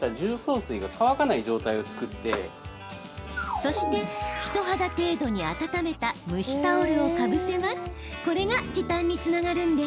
そして、人肌程度に温めた蒸しタオルをかぶせます。